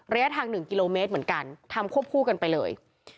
ระยะทาง๑กิโลเมตรเหมือนกันทำควบคู่กันไปเลย